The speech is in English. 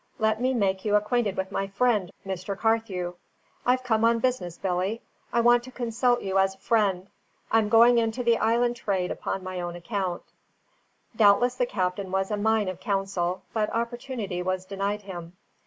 Let me make you acquainted with my friend, Mr. Carthew. I've come on business, Billy; I want to consult you as a friend; I'm going into the island trade upon my own account." Doubtless the captain was a mine of counsel, but opportunity was denied him.